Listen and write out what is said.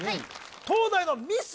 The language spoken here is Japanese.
東大のミス